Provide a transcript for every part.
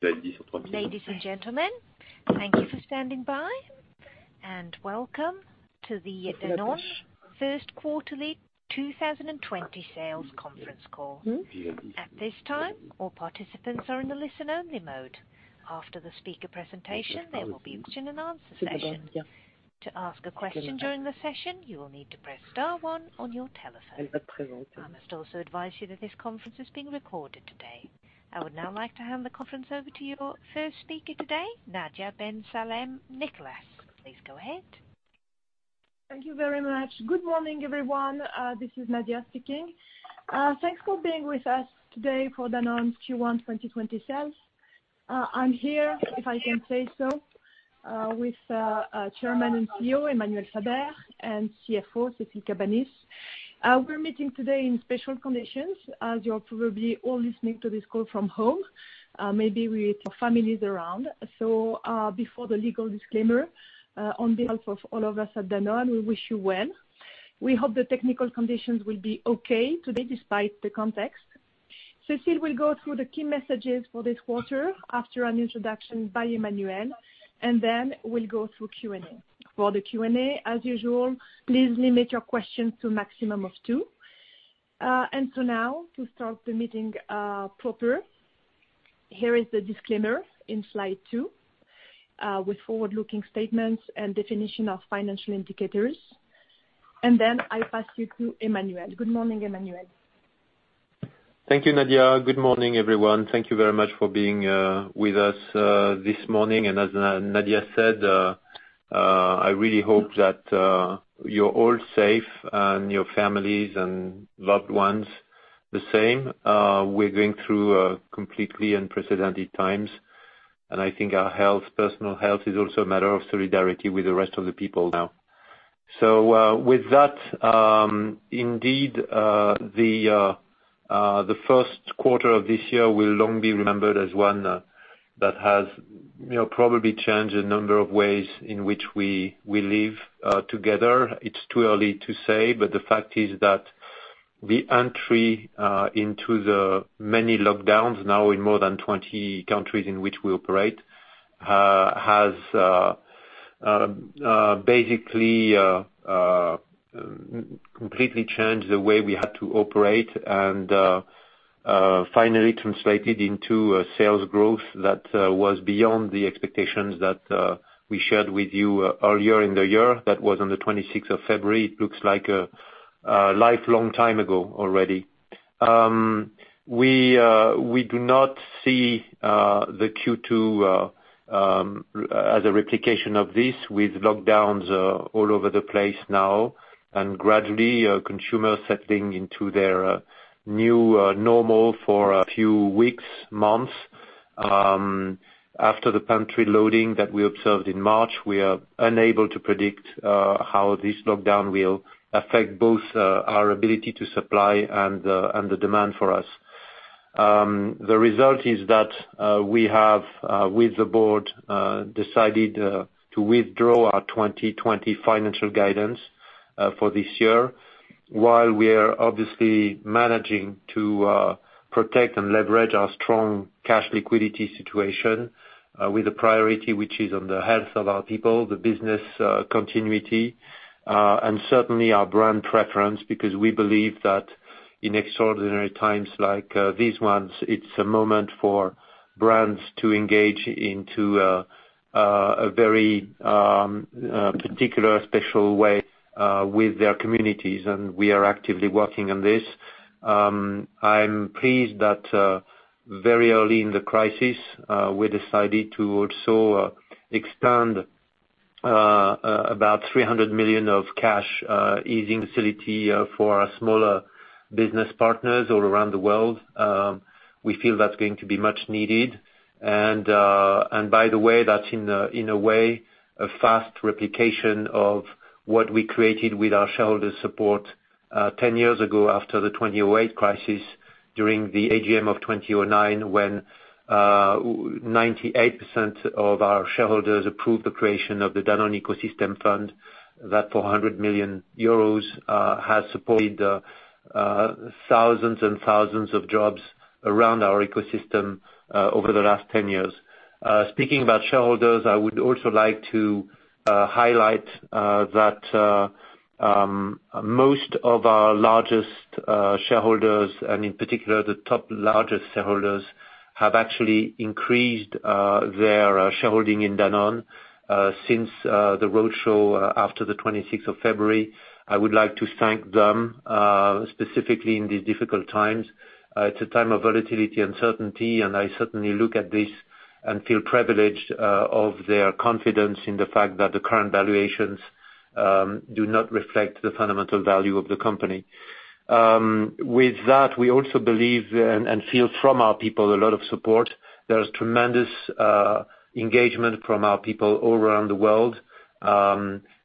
Ladies and gentlemen, thank you for standing by, and welcome to the Danone Q1 2020 Sales Conference Call. At this time, all participants are in the listen-only mode. After the speaker presentation, there will be a question-and-answer session. To ask a question during the session, you will need to press star one on your telephone. I must also advise you that this conference is being recorded today. I would now like to hand the conference over to your first speaker today, Nadia Ben Salem-Nicolas. Please go ahead. Thank you very much. Good morning, everyone. This is Nadia speaking. Thanks for being with us today for Danone's Q1 2020 sales. I'm here, if I can say so, with Chairman and CEO, Emmanuel Faber, and CFO, Cécile Cabanis. We're meeting today in special conditions, as you're probably all listening to this call from home, maybe with your families around. So, before the legal disclaimer, on behalf of all of us at Danone, we wish you well. We hope the technical conditions will be okay today despite the context. Cécile will go through the key messages for this quarter after an introduction by Emmanuel, then we'll go through Q&A. For the Q&A, as usual, please limit your questions to a maximum of two. Now, to start the meeting proper, here is the disclaimer in slide two, with forward-looking statements and definition of financial indicators. I pass you to Emmanuel. Good morning, Emmanuel. Thank you, Nadia. Good morning, everyone. Thank you very much for being with us this morning. As Nadia said, I really hope that you're all safe, and your families and loved ones the same. We're going through completely unprecedented times, and I think our personal health is also a matter of solidarity with the rest of the people now. With that, indeed, the Q1 of this year will long be remembered as one that has probably changed a number of ways in which we live together. It's too early to say, but the fact is that the entry into the many lockdowns now in more than 20 countries in which we operate, has basically completely changed the way we had to operate, and finally translated into a sales growth that was beyond the expectations that we shared with you earlier in the year. That was on the 26th of February. It looks like a lifelong time ago already. We do not see the Q2 as a replication of this with lockdowns all over the place now, and gradually consumers settling into their new normal for a few weeks, months. After the pantry loading that we observed in March, we are unable to predict how this lockdown will affect both our ability to supply and the demand for us. The result is that we have, with the board, decided to withdraw our 2020 financial guidance for this year. While we are obviously managing to protect and leverage our strong cash liquidity situation with a priority which is on the health of our people, the business continuity, and certainly our brand preference, because we believe that in extraordinary times like these ones, it's a moment for brands to engage into a very particular special way with their communities. We are actively working on this. I'm pleased that very early in the crisis, we decided to also extend about 300 million of cash easing facility for our smaller business partners all around the world. We feel that's going to be much needed. By the way, that's in a way, a fast replication of what we created with our shareholders' support 10 years ago after the 2008 crisis during the AGM of 2009 when 98% of our shareholders approved the creation of the Danone Ecosystem Fund. That 400 million euros has supported thousands and thousands of jobs around our ecosystem over the last 10 years. Speaking about shareholders, I would also like to highlight that most of our largest shareholders, and in particular the top largest shareholders, have actually increased their shareholding in Danone since the roadshow after the 26th of February. I would like to thank them, specifically in these difficult times. It's a time of volatility, uncertainty, and I certainly look at this and feel privileged of their confidence in the fact that the current valuations do not reflect the fundamental value of the company. With that, we also believe and feel from our people a lot of support. There's tremendous engagement from our people all around the world.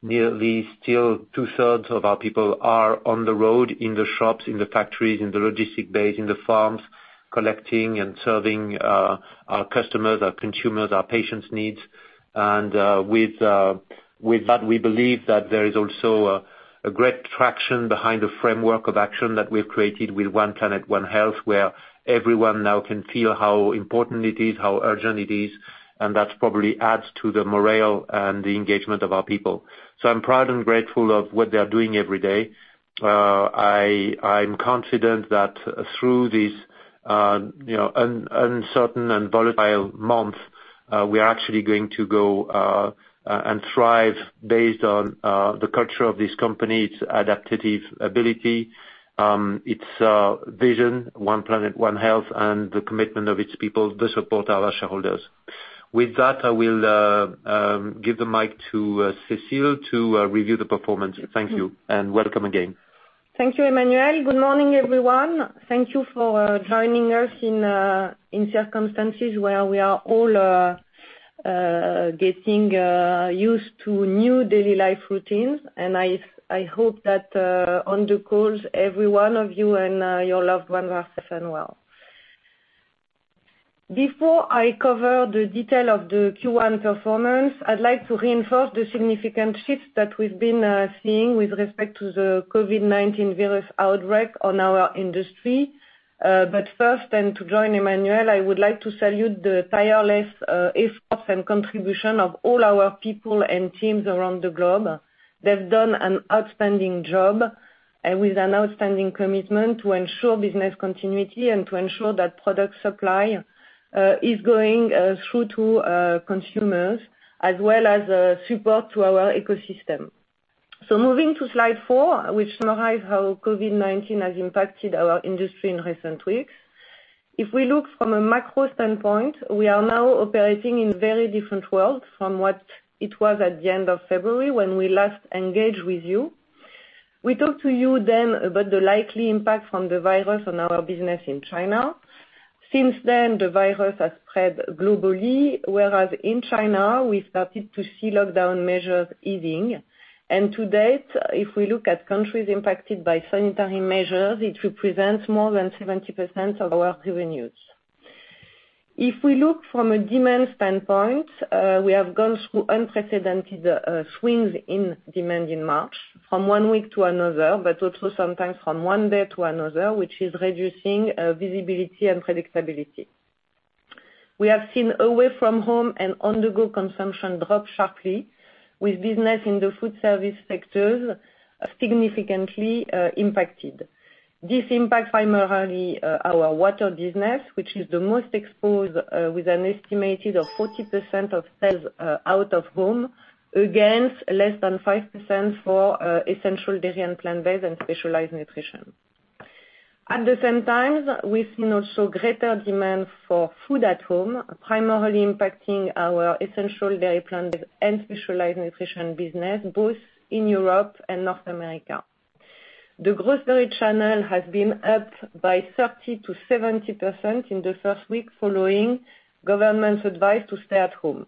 Nearly still two-thirds of our people are on the road, in the shops, in the factories, in the logistic base, in the farms, collecting and serving our customers, our consumers, our patients' needs. With that, we believe that there is also a great traction behind the framework of action that we've created with One Planet. One Health, where everyone now can feel how important it is, how urgent it is, and that probably adds to the morale and the engagement of our people. I'm proud and grateful of what they are doing every day. I'm confident that through these uncertain and volatile months. We are actually going to go and thrive based on the culture of this company, its adaptive ability, its vision, One Planet. One Health, and the commitment of its people to support our shareholders. With that, I will give the mic to Cécile to review the performance. Thank you, and welcome again. Thank you, Emmanuel. Good morning, everyone. I hope that on the call, every one of you and your loved ones are safe and well. Before I cover the detail of the Q1 performance, I'd like to reinforce the significant shift that we've been seeing with respect to the COVID-19 virus outbreak on our industry. First, and to join Emmanuel, I would like to salute the tireless efforts and contribution of all our people and teams around the globe. They've done an outstanding job, and with an outstanding commitment to ensure business continuity and to ensure that product supply is going through to consumers, as well as support to our ecosystem. Moving to slide four, which summarize how COVID-19 has impacted our industry in recent weeks. If we look from a macro standpoint, we are now operating in very different world from what it was at the end of February, when we last engaged with you. We talked to you then about the likely impact from the virus on our business in China. Since then, the virus has spread globally, whereas in China, we started to see lockdown measures easing. To date, if we look at countries impacted by sanitary measures, it represents more than 70% of our revenues. If we look from a demand standpoint, we have gone through unprecedented swings in demand in March, from one week to another, but also sometimes from one day to another, which is reducing visibility and predictability. We have seen away from home and on-the-go consumption drop sharply, with business in the food service sectors significantly impacted. This impact primarily our Water business, which is the most exposed, with an estimated of 40% of sales out of home, against less than 5% for Essential Dairy and Plant-Based and Specialized Nutrition. At the same time, we've seen also greater demand for food at home, primarily impacting our Essential Dairy, Plant-Based, and Specialized Nutrition business, both in Europe and North America. The grocery channel has been up by 30%-70% in the first week following government's advice to stay at home.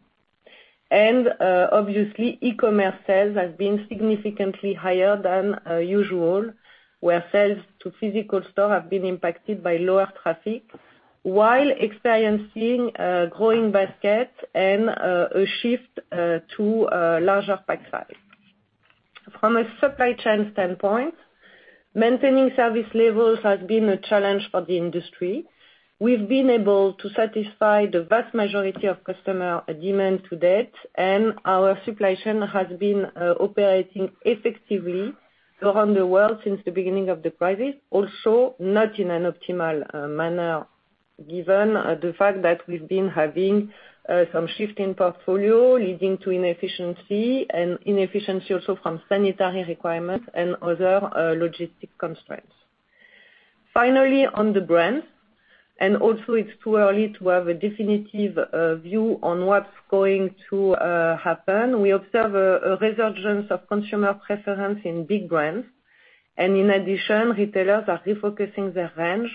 Obviously, e-commerce sales have been significantly higher than usual, where sales to physical store have been impacted by lower traffic, while experiencing growing basket and a shift to larger pack size. From a supply chain standpoint, maintaining service levels has been a challenge for the industry. We've been able to satisfy the vast majority of customer demand to date, and our supply chain has been operating effectively around the world since the beginning of the crisis. Not in an optimal manner, given the fact that we've been having some shift in portfolio, leading to inefficiency also from sanitary requirements and other logistic constraints. Finally, on the brand, also it's too early to have a definitive view on what's going to happen. We observe a resurgence of consumer preference in big brands. In addition, retailers are refocusing their range,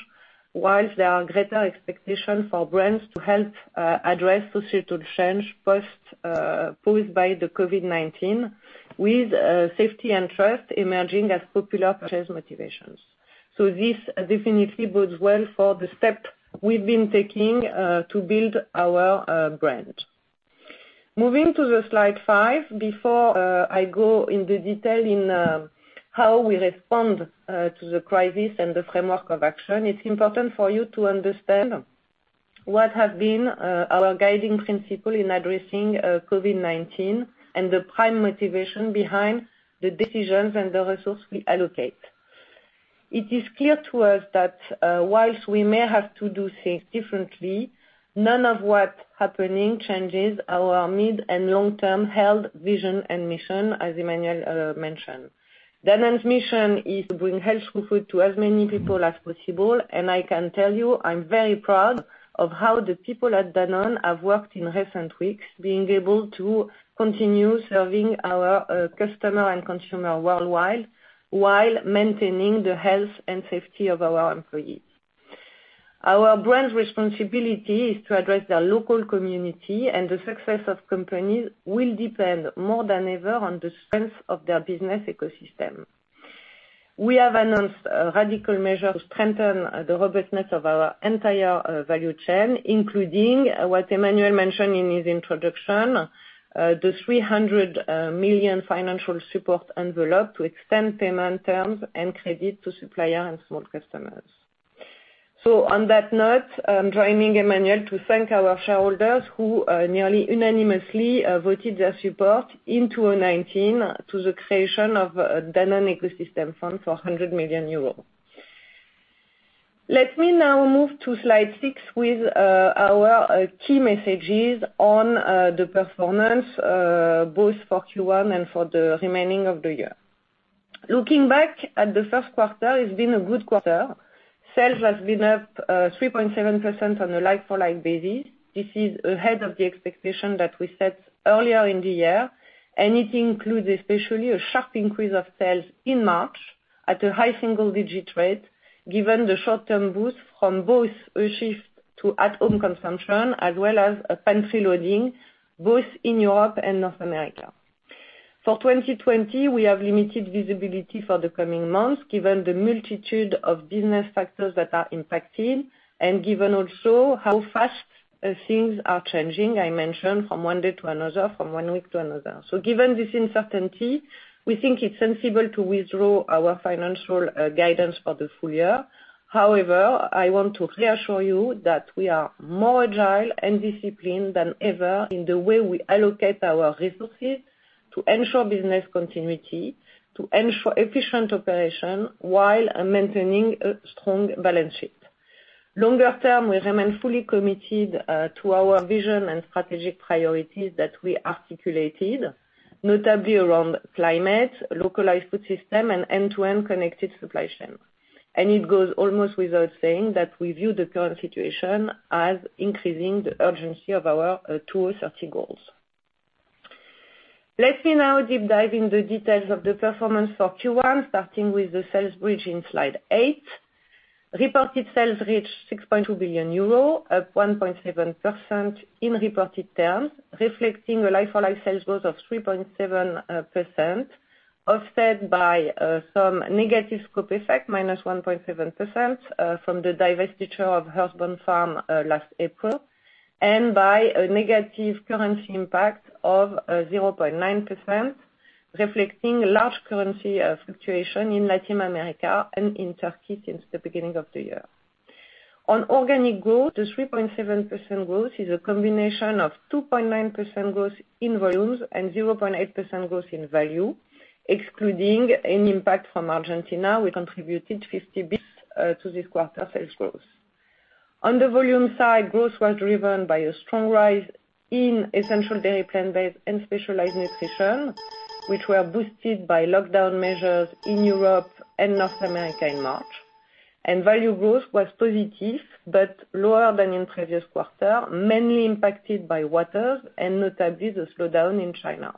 whilst there are greater expectation for brands to help address societal change posed by the COVID-19, with safety and trust emerging as popular purchase motivations. This definitely bodes well for the step we've been taking to build our brand. Moving to the slide five, before I go in the detail in how we respond to the crisis and the framework of action, it's important for you to understand what our guiding principle in have been addressing COVID-19, and the prime motivation behind the decisions and the resource we allocate. It is clear to us that while we may have to do things differently, none of what happening changes our mid- and long-term held vision and mission, as Emmanuel mentioned. Danone's mission is to bring healthful food to as many people as possible. I can tell you, I'm very proud of how the people at Danone have worked in recent weeks, being able to continue serving our customer and consumer worldwide, while maintaining the health and safety of our employees. Our brand's responsibility is to address their local community. The success of companies will depend more than ever on the strength of their business ecosystem. We have announced radical measure to strengthen the robustness of our entire value chain, including what Emmanuel mentioned in his introduction, the 300 million financial support envelope to extend payment terms and credit to supplier and small customers. On that note, I'm joining Emmanuel to thank our shareholders, who nearly unanimously voted their support in 2019 to the creation of Danone Ecosystem Fund for 100 million euros. Let me now move to slide six with our key messages on the performance both for Q1 and for the remaining of the year. Looking back at the Q1, it's been a good quarter. Sales has been up 3.7% on a like-for-like basis. This is ahead of the expectation that we set earlier in the year. It includes especially a sharp increase of sales in March at a high single-digit rate, given the short-term boost from both a shift to at-home consumption as well as a pantry loading, both in Europe and North America. For 2020, we have limited visibility for the coming months, given the multitude of business factors that are impacting, given also how fast things are changing, I mentioned from one day to another, from one week to another. Given this uncertainty, we think it's sensible to withdraw our financial guidance for the full year. However, I want to reassure you that we are more agile and disciplined than ever in the way we allocate our resources to ensure business continuity, to ensure efficient operation, while maintaining a strong balance sheet. Longer term, we remain fully committed to our vision and strategic priorities that we articulated, notably around climate, localized food system, and end-to-end connected supply chain. It goes almost without saying that we view the current situation as increasing the urgency of our 2030 goals. Let me now deep dive in the details of the performance for Q1, starting with the sales bridge in Slide eight. Reported sales reached 6.2 billion euro, up 1.7% in reported terms, reflecting a like-for-like sales growth of 3.7%, offset by some negative scope effect, -1.7%, from the divestiture of Earthbound Farm last April, and by a negative currency impact of 0.9%, reflecting large currency fluctuation in Latin America and in Turkey since the beginning of the year. On organic growth, the 3.7% growth is a combination of 2.9% growth in volumes and 0.8% growth in value, excluding an impact from Argentina, which contributed 50 basis points to this quarter sales growth. On the volume side, growth was driven by a strong rise in Essential Dairy and Plant-Based and Specialized Nutrition, which were boosted by lockdown measures in Europe and North America in March. Value growth was positive but lower than in previous quarter, mainly impacted by Waters and notably the slowdown in China.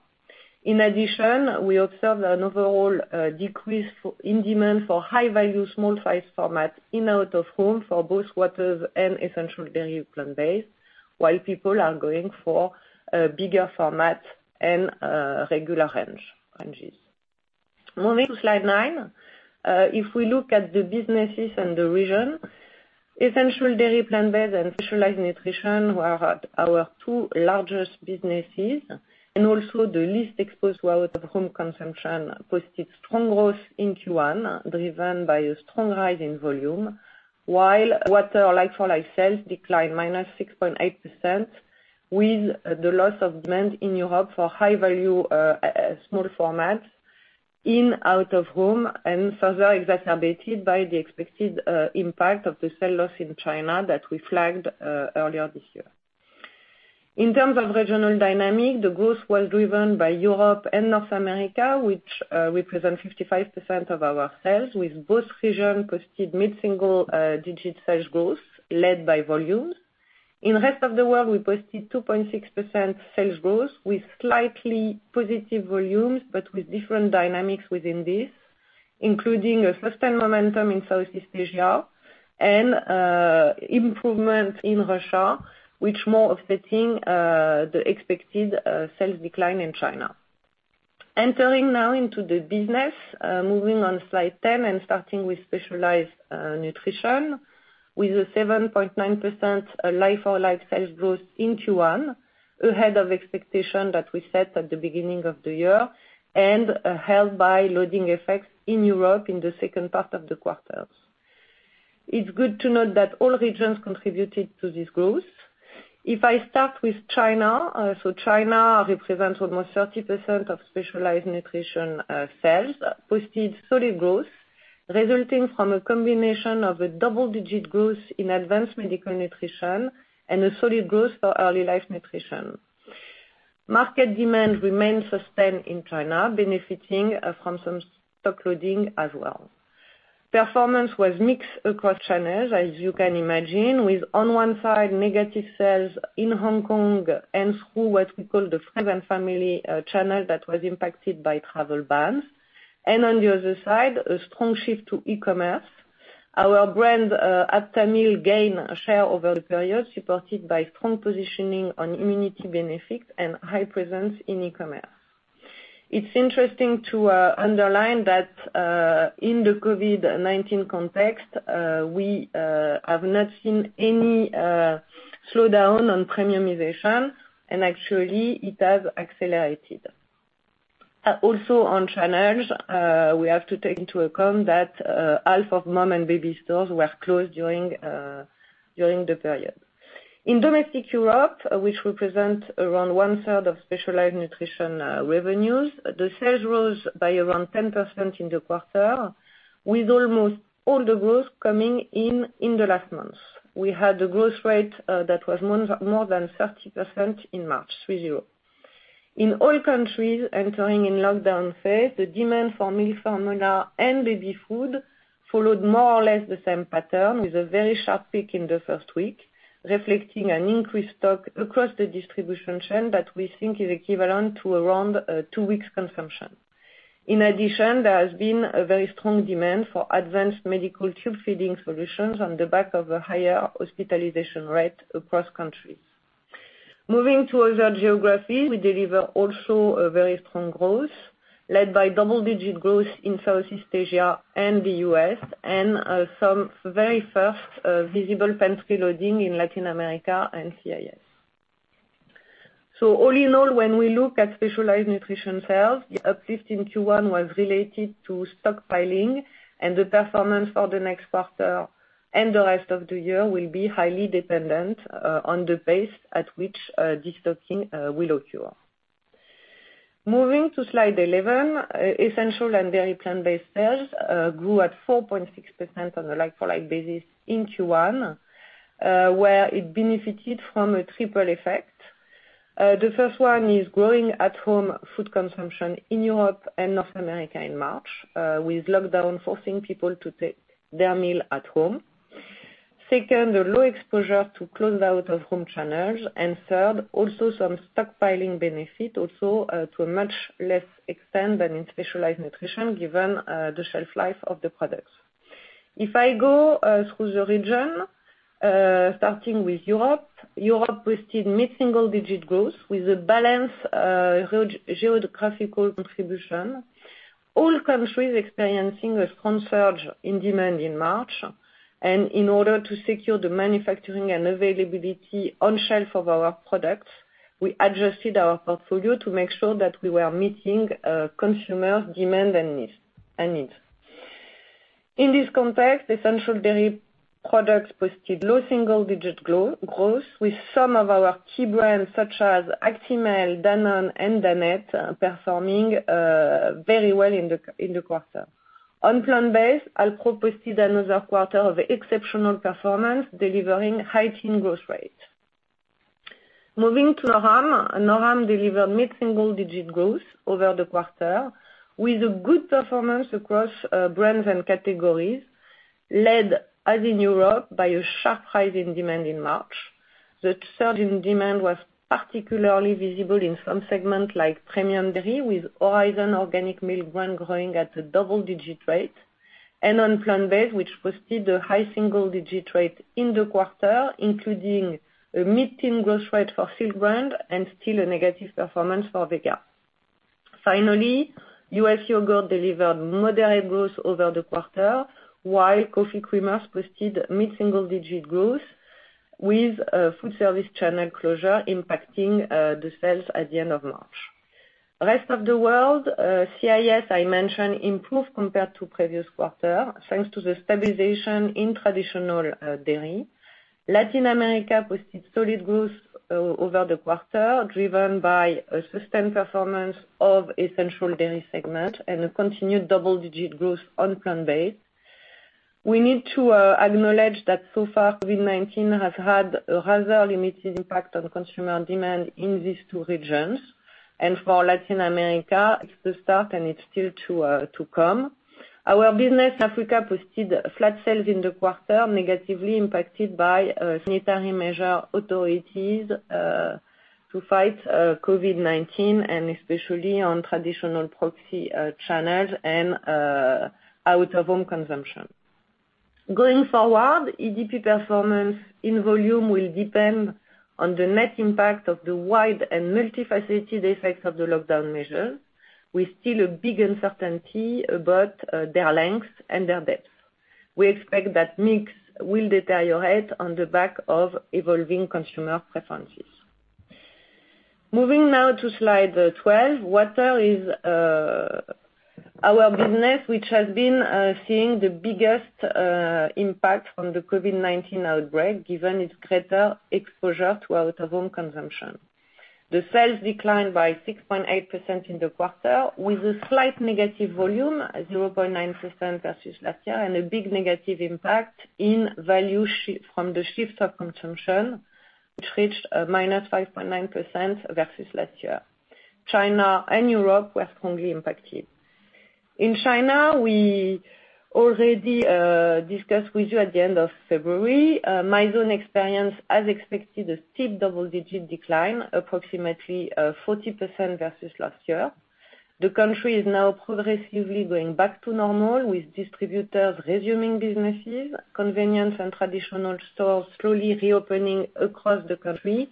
In addition, we observed an overall decrease in demand for high-value, small size format in out-of-home for both Waters and Essential Dairy and Plant-Based, while people are going for bigger format and regular ranges. Moving to Slide nine. If we look at the businesses and the region, Essential Dairy and Plant-Based and Specialized Nutrition were our two largest businesses, and also the least exposed to out-of-home consumption, posted strong growth in Q1, driven by a strong rise in volume. While Water or like-for-like sales declined -6.8% with the loss of demand in Europe for high-value, small formats in out-of-home, and further exacerbated by the expected impact of the sales loss in China that we flagged earlier this year. In terms of regional dynamic, the growth was driven by Europe and North America, which represent 55% of our sales, with both regions posted mid-single digit sales growth led by volumes. In the rest of the world, we posted 2.6% sales growth with slightly positive volumes, but with different dynamics within this, including a sustained momentum in Southeast Asia and improvement in Russia, which more offsetting the expected sales decline in China. Entering now into the business, moving on Slide 10 and starting with specialized nutrition, with a 7.9% like-for-like sales growth in Q1, ahead of expectation that we set at the beginning of the year, and helped by loading effects in Europe in the second part of the quarters. It's good to note that all regions contributed to this growth. If I start with China represents almost 30% of specialized nutrition sales, posted solid growth resulting from a combination of a double-digit growth in advanced medical nutrition and a solid growth for Early Life Nutrition. Market demand remains sustained in China, benefiting from some stock loading as well. Performance was mixed across channels, as you can imagine, with on one side, negative sales in Hong Kong and through what we call the friends and family channel that was impacted by travel bans. On the other side, a strong shift to e-commerce. Our brand, Aptamil, gained share over the period, supported by strong positioning on immunity benefits and high presence in e-commerce. It's interesting to underline that in the COVID-19 context, we have not seen any slowdown on premiumization, and actually it has accelerated. Also on channels, we have to take into account that half of mom and baby stores were closed during the period. In domestic Europe, which represents around one third of specialized nutrition revenues, the sales rose by around 10% in the quarter, with almost all the growth coming in the last month. We had the growth rate that was more than 30% in March with Europe. In all countries entering in lockdown phase, the demand for milk formula and baby food followed more or less the same pattern with a very sharp peak in the first week, reflecting an increased stock across the distribution chain that we think is equivalent to around two weeks consumption. In addition, there has been a very strong demand for advanced medical tube feeding solutions on the back of a higher hospitalization rate across countries. Moving to other geographies, we deliver also a very strong growth led by double digit growth in Southeast Asia and the U.S., and some very first visible pantry loading in Latin America and CIS. All in all, when we look at specialized nutrition sales, the uplift in Q1 was related to stockpiling and the performance for the next quarter and the rest of the year will be highly dependent on the pace at which de-stocking will occur. Moving to slide 11, essential and dairy plant-based sales grew at 4.6% on a like-for-like basis in Q1, where it benefited from a triple effect. The first one is growing at home food consumption in Europe and North America in March, with lockdown forcing people to take their meal at home. Second, the low exposure to closed out-of-home channels, and third, also some stockpiling benefit also to a much less extent than in specialized nutrition, given the shelf life of the products. If I go through the region, starting with Europe. Europe posted mid-single digit growth with a balanced geographical contribution. All countries experiencing a strong surge in demand in March, in order to secure the manufacturing and availability on shelf of our products, we adjusted our portfolio to make sure that we were meeting consumer demand and needs. In this context, essential dairy products posted low single-digit growth with some of our key brands such as Actimel, Danone and Danette performing very well in the quarter. On plant-based, Alpro posted another quarter of exceptional performance, delivering high-teen growth rate. Moving to NORAM. NORAM delivered mid-single-digit growth over the quarter with a good performance across brands and categories, led as in Europe by a sharp rise in demand in March. The surge in demand was particularly visible in some segments like premium dairy, with Horizon organic milk brand growing at a double-digit rate and on plant-based, which posted a high single-digit rate in the quarter, including a mid-teen growth rate for Silk brand and still a negative performance for Vega. Finally, U.S. yogurt delivered moderate growth over the quarter, while coffee creamers posted mid-single-digit growth with food service channel closure impacting the sales at the end of March. Rest of the world, CIS, I mentioned improved compared to previous quarter, thanks to the stabilization in traditional dairy. Latin America posted solid growth over the quarter, driven by a sustained performance of essential dairy segment and a continued double-digit growth on plant-based. We need to acknowledge that so far, COVID-19 has had a rather limited impact on consumer demand in these two regions. For Latin America, it's the start and it's still to come. Our business in Africa posted flat sales in the quarter, negatively impacted by sanitary measure authorities to fight COVID-19 and especially on traditional proximity channels and out-of-home consumption. Going forward, EDP performance in volume will depend on the net impact of the wide and multifaceted effects of the lockdown measure, with still a big uncertainty about their length and their depth. We expect that mix will deteriorate on the back of evolving consumer preferences. Moving now to slide 12. Water is our business, which has been seeing the biggest impact from the COVID-19 outbreak given its greater exposure to out-of-home consumption. The sales declined by 6.8% in the quarter, with a slight negative volume of 0.9% versus last year and a big negative impact in value from the shift of consumption, which reached a -5.9% versus last year. China and Europe were strongly impacted. In China, we already discussed with you at the end of February, Mizone experienced as expected, a steep double-digit decline, approximately 40% versus last year. The country is now progressively going back to normal, with distributors resuming businesses, convenience and traditional stores slowly reopening across the country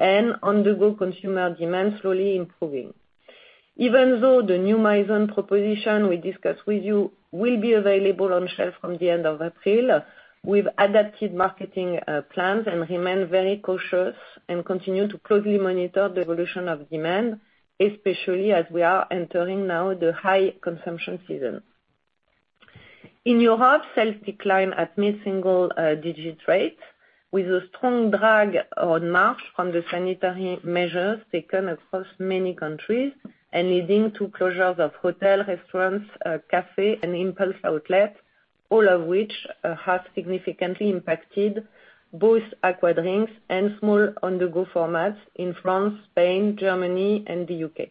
and on-the-go consumer demand slowly improving. Even though the new Mizone proposition we discussed with you will be available on shelf from the end of April, we've adapted marketing plans and remain very cautious and continue to closely monitor the evolution of demand, especially as we are entering now the high consumption season. In Europe, sales declined at mid-single-digit rate with a strong drag on March from the sanitary measures taken across many countries and leading to closures of hotel, restaurants, café, and impulse outlets, all of which have significantly impacted both Aquadrinks and small on-the-go formats in France, Spain, Germany, and the U.K.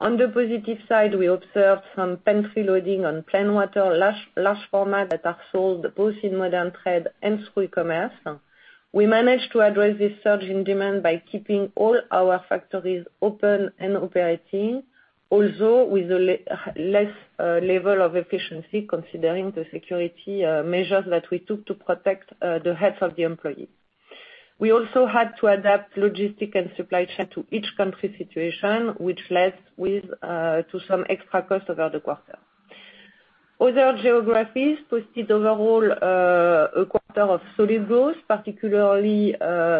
On the positive side, we observed some pantry loading on plain water large format that are sold both in modern trade and through e-commerce. We managed to address this surge in demand by keeping all our factories open and operating, although with less level of efficiency, considering the security measures that we took to protect the health of the employee. We also had to adapt logistic and supply chain to each country situation, which led to some extra cost over the quarter. Other geographies posted overall a quarter of solid growth, particularly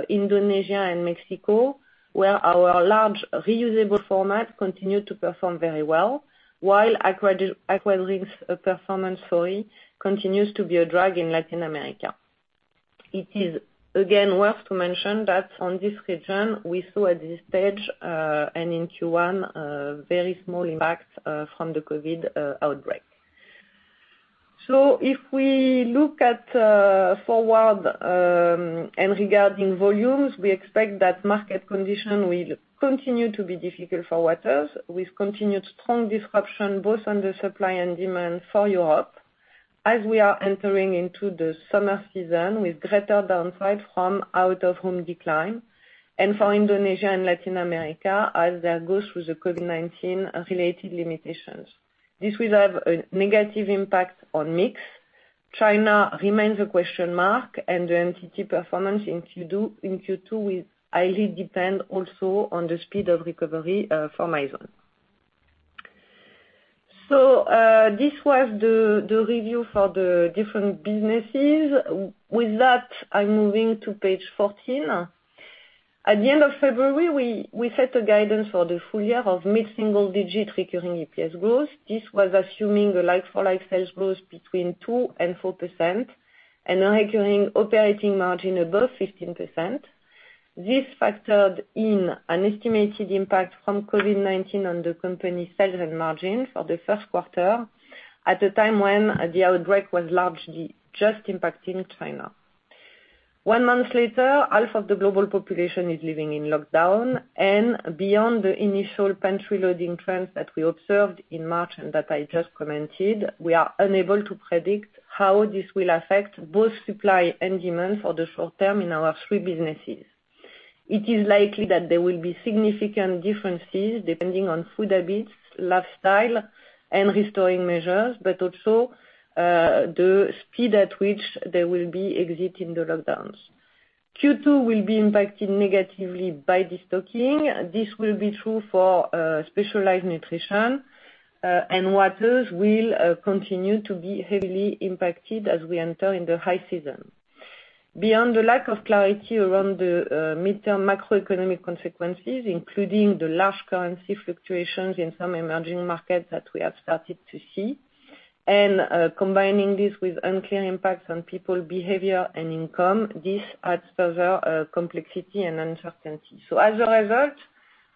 Indonesia and Mexico, where our large reusable format continued to perform very well, while Aquadrinks performance story continues to be a drag in Latin America. It is, again, worth to mention that on this region, we saw at this stage, and in Q1, very small impact from the COVID-19 outbreak. If we look at forward, and regarding volumes, we expect that market condition will continue to be difficult for Waters, with continued strong disruption both on the supply and demand for Europe as we are entering into the summer season with greater downside from out-of-home decline. For Indonesia and Latin America as they go through the COVID-19 related limitations. This will have a negative impact on mix. China remains a question mark, and the entity performance in Q2 will highly depend also on the speed of recovery from Mizone. This was the review for the different businesses. With that, I'm moving to page 14. At the end of February, we set a guidance for the full year of mid-single digit recurring EPS growth. This was assuming a like-for-like sales growth between 2% and 4% and a recurring operating margin above 15%. This factored in an estimated impact from COVID-19 on the company sales and margin for the Q1, at a time when the outbreak was largely just impacting China. One month later, half of the global population is living in lockdown and beyond the initial pantry loading trends that we observed in March and that I just commented, we are unable to predict how this will affect both supply and demand for the short term in our three businesses. It is likely that there will be significant differences depending on food habits, lifestyle, and restoring measures, but also the speed at which they will be exiting the lockdowns. Q2 will be impacted negatively by de-stocking. This will be true for Specialized Nutrition, and Waters will continue to be heavily impacted as we enter in the high season. Beyond the lack of clarity around the midterm macroeconomic consequences, including the large currency fluctuations in some emerging markets that we have started to see, and combining this with unclear impacts on people behavior and income, this adds further complexity and uncertainty. As a result,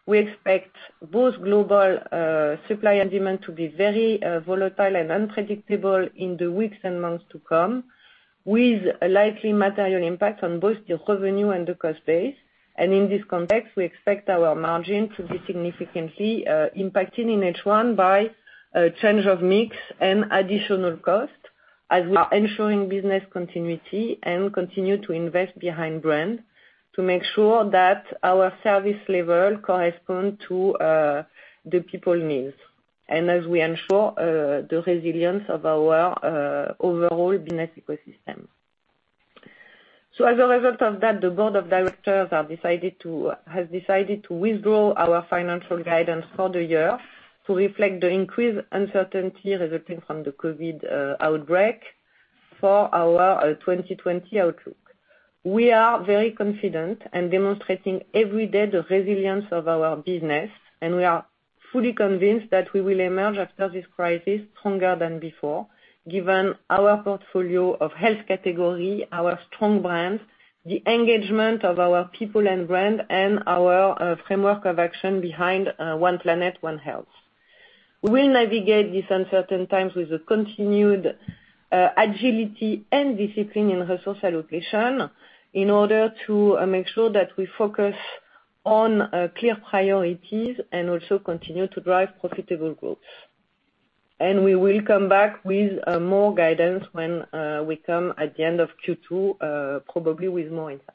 we expect both global supply and demand to be very volatile and unpredictable in the weeks and months to come, with a likely material impact on both the revenue and the cost base. In this context, we expect our margin to be significantly impacted in H1 by change of mix and additional cost as we are ensuring business continuity and continue to invest behind brand to make sure that our service level correspond to the people needs, and as we ensure the resilience of our overall business ecosystem. As a result of that, the board of directors has decided to withdraw our financial guidance for the year to reflect the increased uncertainty resulting from the COVID-19 outbreak for our 2020 outlook. We are very confident and demonstrating every day the resilience of our business, and we are fully convinced that we will emerge after this crisis stronger than before, given our portfolio of health category, our strong brands, the engagement of our people and brand, and our framework of action behind One Planet. One Health. We will navigate this uncertain times with a continued agility and discipline in resource allocation in order to make sure that we focus on clear priorities and also continue to drive profitable growth. We will come back with more guidance when we come at the end of Q2, probably with more insight.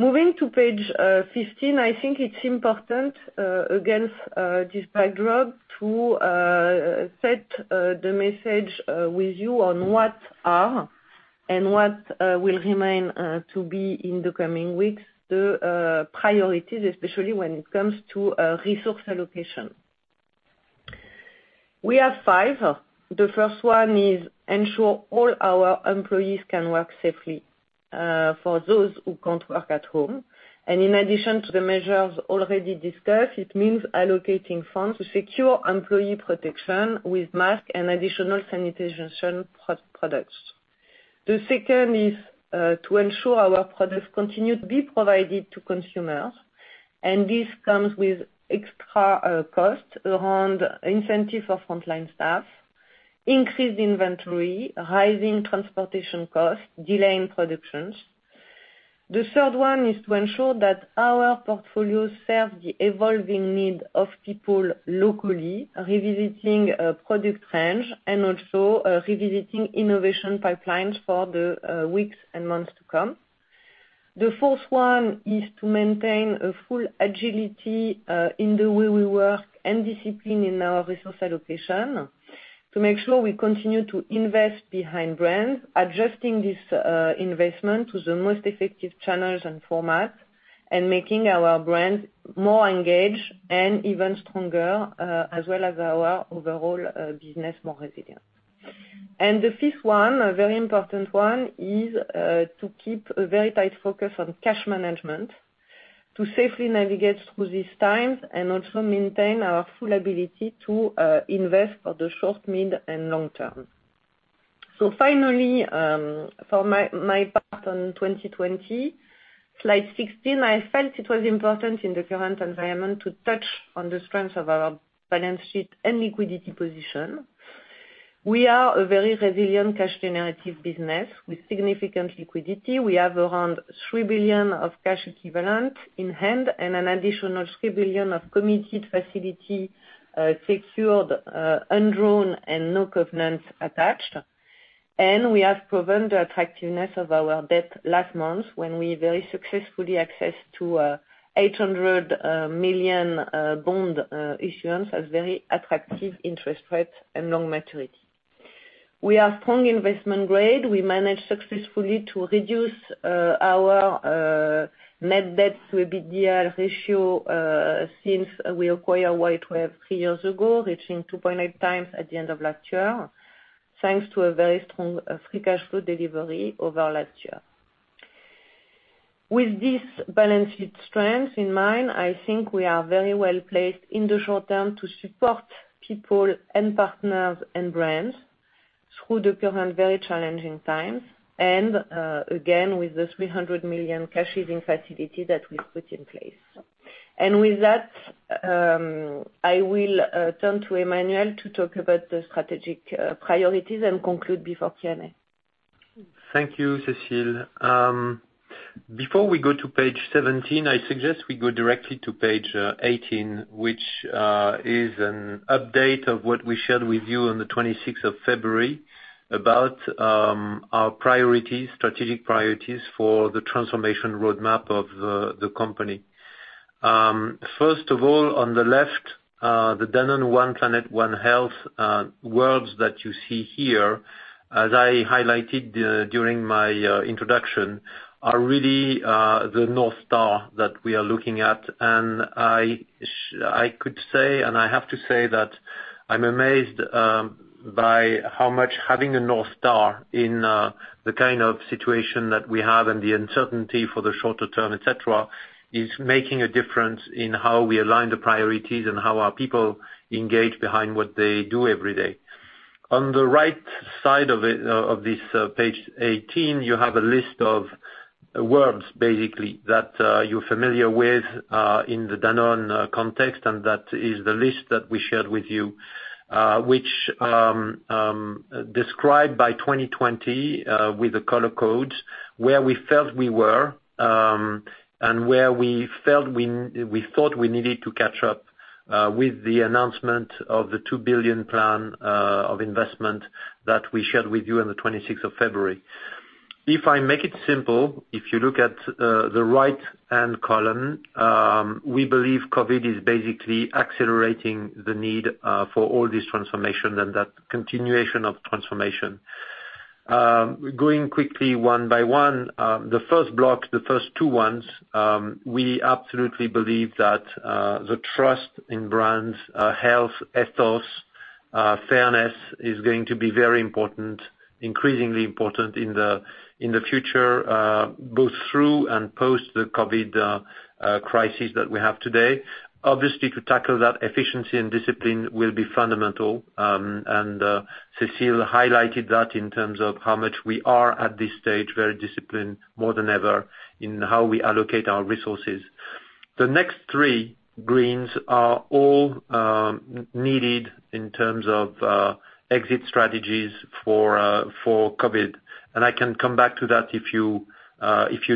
Moving to page 15, I think it's important, against this backdrop, to set the message with you on what are and what will remain to be in the coming weeks, the priorities, especially when it comes to resource allocation. We have five. The first one is ensuring all our employees can work safely for those who can't work at home. In addition to the measures already discussed, it means allocating funds to secure employee protection with masks and additional sanitation products. The second one is to ensure our products continue to be provided to consumers, and this comes with extra costs around incentive of frontline staff, increased inventory, rising transportation costs, delaying productions. The third one is to ensure that our portfolio serves the evolving need of people locally, revisiting product range and also revisiting innovation pipelines for the weeks and months to come. The fourth one is to maintain a full agility, in the way we work and discipline in our resource allocation to make sure we continue to invest behind brands, adjusting this investment to the most effective channels and formats, and making our brands more engaged and even stronger, as well as our overall business, more resilient. The fifth one, a very important one, is to keep a very tight focus on cash management to safely navigate through these times and also maintain our full ability to invest for the short, mid, and long term. Finally, for my part on 2020, slide 16, I felt it was important in the current environment to touch on the strength of our balance sheet and liquidity position. We are a very resilient cash generative business with significant liquidity. We have around 3 billion of cash equivalent in hand and an additional 3 billion of committed facility secured, undrawn and no covenants attached. We have proven the attractiveness of our debt last month when we very successfully accessed to 800 million bond issuance as very attractive interest rates and long maturity. We are strong investment grade. We managed successfully to reduce our net debt to EBITDA ratio since we acquired WhiteWave three years ago, reaching 2.9 times at the end of last year, thanks to a very strong free cash flow delivery over last year. With these balance sheet strengths in mind, I think we are very well-placed in the short term to support people and partners and brands through the current very challenging times. Again, with the 300 million cash using facility that we put in place. With that, I will turn to Emmanuel to talk about the strategic priorities and conclude before Q&A. Thank you, Cécile. Before we go to page 17, I suggest we go directly to page 18, which is an update of what we shared with you on the 26th of February about our strategic priorities for the transformation roadmap of the company. First of all, on the left, the Danone One Planet. One Health words that you see here, as I highlighted during my introduction, are really the North Star that we are looking at. I could say, and I have to say that I'm amazed by how much having a North Star in the kind of situation that we have and the uncertainty for the shorter term, et cetera, is making a difference in how we align the priorities and how our people engage behind what they do every day. On the right side of this page 18, you have a list of words basically that you're familiar with, in the Danone context. That is the list that we shared with you, which describe by 2020, with the color codes, where we felt we were, and where we thought we needed to catch up, with the announcement of the 2 billion plan of investment that we shared with you on the 26th of February. If I make it simple, if you look at the right-hand column, we believe COVID is basically accelerating the need for all this transformation and that continuation of transformation. Going quickly one by one, the first block, the first two ones, we absolutely believe that the trust in brands, health ethos, fairness is going to be very important, increasingly important in the future, both through and post the COVID crisis that we have today. To tackle that efficiency and discipline will be fundamental, Cécile highlighted that in terms of how much we are at this stage, very disciplined more than ever in how we allocate our resources. The next three greens are all needed in terms of exit strategies for COVID. I can come back to that if you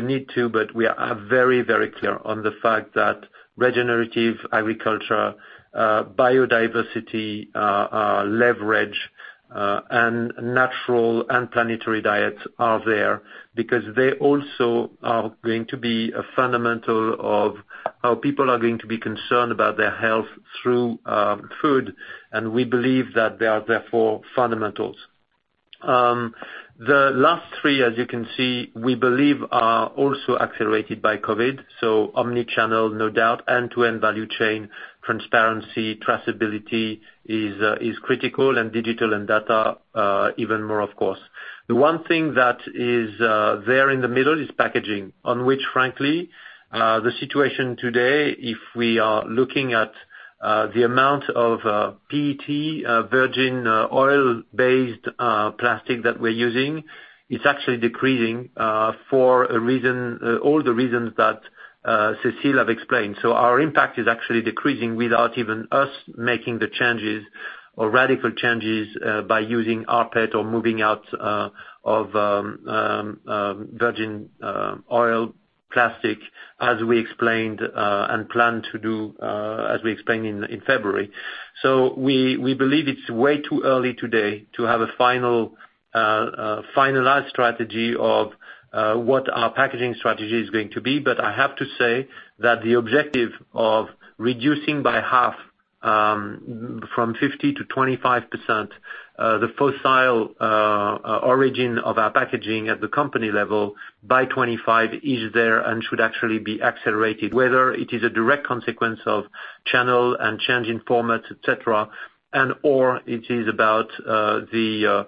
need to, we are very clear on the fact that regenerative agriculture, biodiversity leverage, and natural and planetary diets are there because they also are going to be a fundamental of how people are going to be concerned about their health through food. We believe that they are therefore fundamentals. The last three, as you can see, we believe are also accelerated by COVID. Omni-channel, no doubt, end-to-end value chain transparency, traceability is critical, and digital and data even more, of course. The one thing that is there in the middle is packaging, on which frankly, the situation today, if we are looking at the amount of PET virgin oil-based plastic that we're using, it's actually decreasing for all the reasons that Cécile have explained. Our impact is actually decreasing without even us making the changes or radical changes by using rPET or moving out of virgin oil plastic as we explained and plan to do as we explained in February. We believe it's way too early today to have a finalized strategy of what our packaging strategy is going to be, but I have to say that the objective of reducing by half, from 50%-25%, the fossil origin of our packaging at the company level by 2025 is there and should actually be accelerated, whether it is a direct consequence of channel and change in format, et cetera, and/or it is about the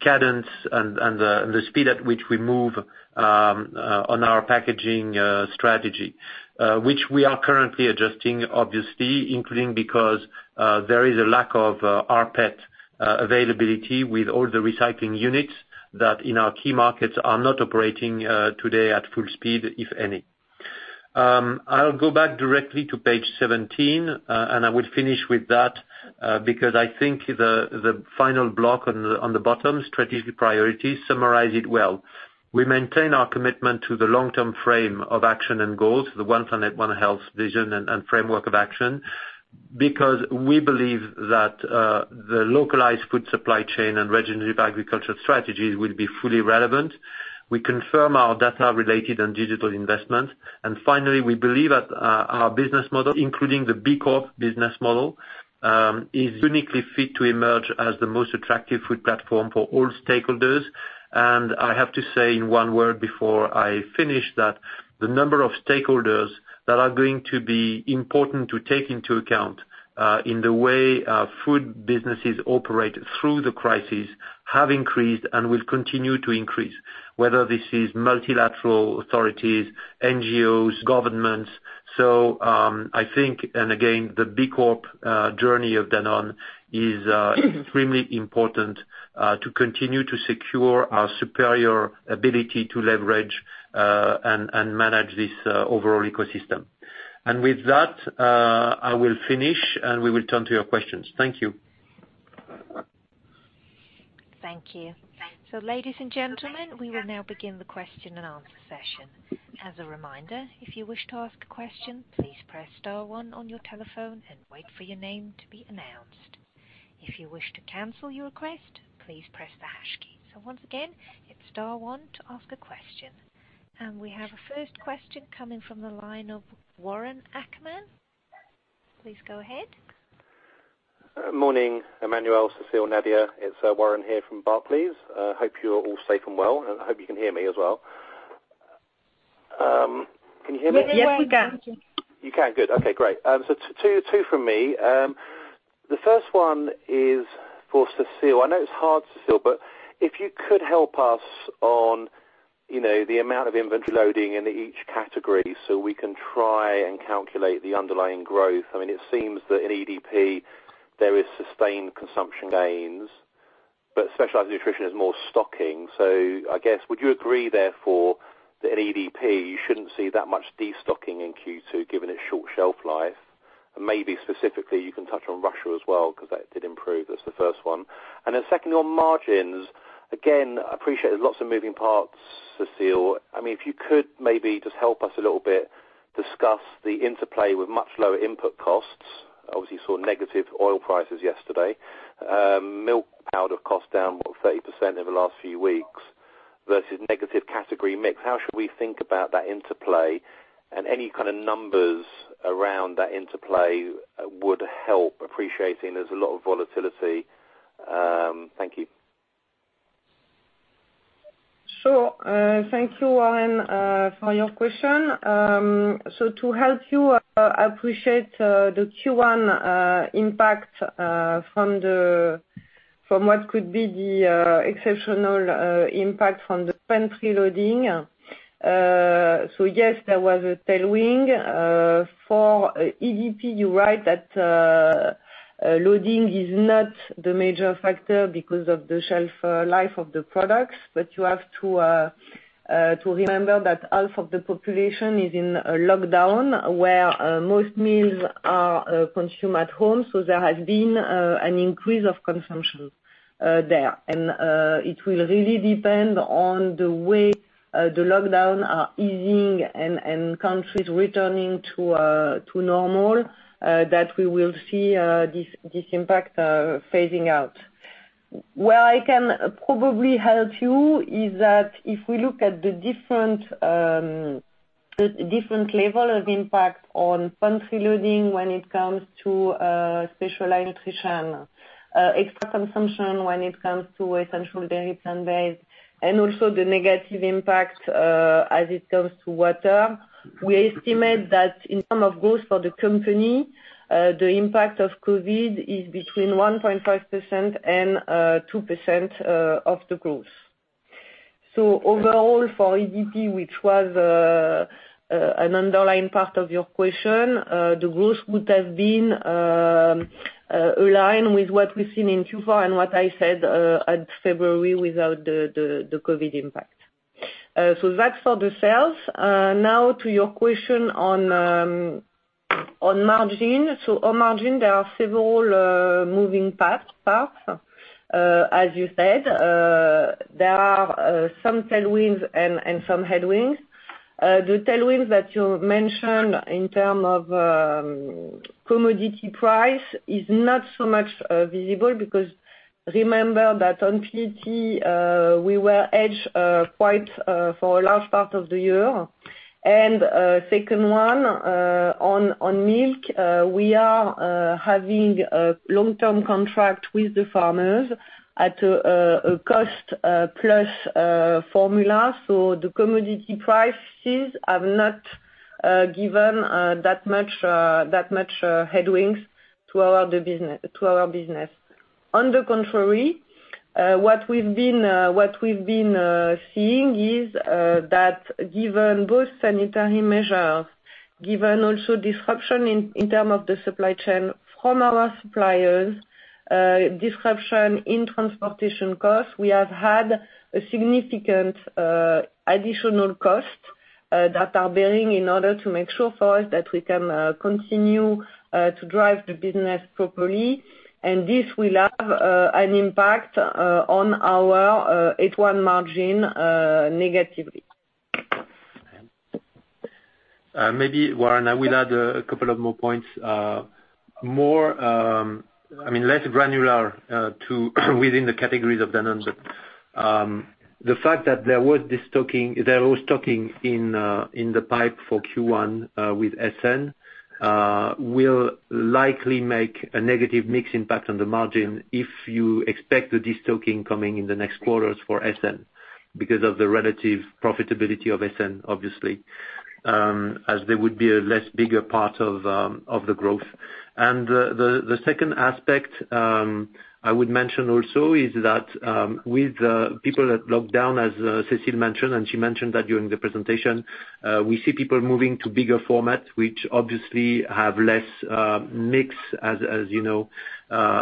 cadence and the speed at which we move on our packaging strategy, which we are currently adjusting, obviously, including because there is a lack of rPET availability with all the recycling units that in our key markets are not operating today at full speed, if any. I'll go back directly to page 17, and I will finish with that, because I think the final block on the bottom, strategic priorities, summarize it well. We maintain our commitment to the long-term frame of action and goals, the One Planet. One Health vision and framework of action, because we believe that the localized food supply chain and regenerative agriculture strategies will be fully relevant. We confirm our data-related and digital investments. Finally, we believe that our business model, including the B Corp business model, is uniquely fit to emerge as the most attractive food platform for all stakeholders. I have to say in one word before I finish that the number of stakeholders that are going to be important to take into account in the way food businesses operate through the crisis have increased and will continue to increase, whether this is multilateral authorities, NGOs, governments. I think, and again, the B Corp journey of Danone is extremely important to continue to secure our superior ability to leverage and manage this overall ecosystem. With that, I will finish and we will turn to your questions. Thank you. Thank you. Ladies and gentlemen, we will now begin the question-and-answer session. As a reminder, if you wish to ask a question, please press star one on your telephone and wait for your name to be announced. If you wish to cancel your request, please press the hash key. Once again, it's star one to ask a question. We have a first question coming from the line of Warren Ackerman. Please go ahead. Morning, Emmanuel, Cécile, Nadia. It's Warren here from Barclays. Hope you're all safe and well, and I hope you can hear me as well. Can you hear me? Yes, we can. We can hear you. You can. Good. Okay, great. Two from me. The first one is for Cécile. I know it's hard, Cécile, but if you could help us on the amount of inventory loading in each category so we can try and calculate the underlying growth. It seems that in EDP, there is sustained consumption gains, but specialized nutrition is more stocking. I guess, would you agree, therefore, that in EDP, you shouldn't see that much destocking in Q2 given its short shelf life? Maybe specifically, you can touch on Russia as well because that did improve. That's the first one. Second, on margins, again, I appreciate there's lots of moving parts, Cécile. If you could maybe just help us a little bit discuss the interplay with much lower input costs. Obviously, you saw negative oil prices yesterday. Milk powder cost down, what, 30% in the last few weeks versus negative category mix. How should we think about that interplay and any kind of numbers around that interplay would help appreciating there's a lot of volatility? Thank you. Thank you, Warren, for your question. To help you appreciate the Q1 impact from what could be the exceptional impact from the pantry loading. Yes, there was a tailwind. For EDP, you're right that loading is not the major factor because of the shelf life of the products, but you have to remember that half of the population is in a lockdown where most meals are consumed at home. There has been an increase of consumption there. It will really depend on the way the lockdown are easing and countries returning to normal, that we will see this impact phasing out. Where I can probably help you is that if we look at the different level of impact on pantry loading when it comes to specialized nutrition, extra consumption when it comes to essential dairy, plant-based, and also the negative impact, as it comes to Water. We estimate that in terms of growth for the company, the impact of COVID is between 1.5%-2% of the growth. Overall for EDP, which was an underlying part of your question, the growth would have been aligned with what we've seen in Q4 and what I said at February without the COVID impact. That's for the sales. To your question on margin. On margin, there are several moving parts. As you said, there are some tailwinds and some headwinds. The tailwinds that you mentioned in terms of commodity price is not so much visible, because remember that on PET, we were hedged quite for a large part of the year. Second one, on milk, we are having a long-term contract with the farmers at a cost-plus formula. The commodity prices have not given that much headwinds to our business. On the contrary, what we've been seeing is that given both sanitary measures, given also disruption in term of the supply chain from our suppliers, disruption in transportation costs, we have had a significant additional cost, that are bearing in order to make sure for us that we can continue to drive the business properly. This will have an impact on our H1 margin negatively. Maybe, Warren, I will add a couple of more points. Less granular within the categories of Danone, but the fact that there was stocking in the pipe for Q1, with SN, will likely make a negative mix impact on the margin if you expect the destocking coming in the next quarters for SN because of the relative profitability of SN, obviously, as they would be a less bigger part of the growth. The second aspect, I would mention also is that, with the people that locked down as Cécile mentioned, and she mentioned that during the presentation, we see people moving to bigger format, which obviously have less mix, as you know,